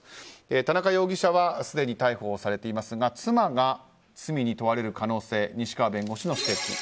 田中容疑者はすでに逮捕されていますが妻が罪に問われる可能性西川弁護士の指摘。